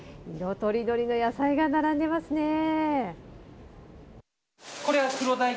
色とりどりの野菜が並んでいますね。